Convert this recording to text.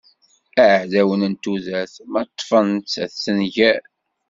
Iɛdawen n tudert, ma ṭṭfen-tt ad tenger.